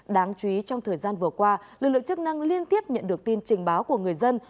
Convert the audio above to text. đáng chú ý trong thời gian vừa qua lực lượng chức năng liên tiếp nhận được tin trình báo của người dân